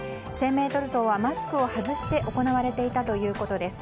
１０００ｍ走はマスクを外して行われていたということです。